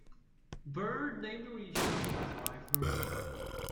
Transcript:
Byrd named the region after his wife Marie.